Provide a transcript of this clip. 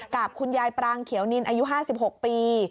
กับคุณยายปรางเขียวนินอายุ๕๖ปี